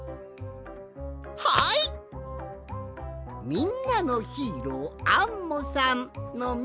「みんなのヒーローアンモさん」の「み」！